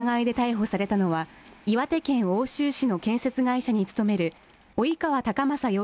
傷害致死の疑いで逮捕されたのは岩手県奥州市の建設会社に勤める及川孝将